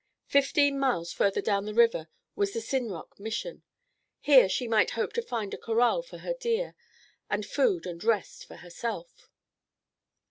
Fifteen miles further down the river was the Sinrock Mission. Here she might hope to find a corral for her deer, and food and rest for herself.